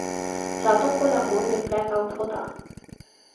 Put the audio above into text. راتوں کو لاہور میں بلیک آؤٹ ہوتا۔